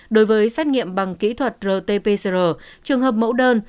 đối với xét nghiệm bằng kỹ thuật rt pcr trường hợp mẫu đơn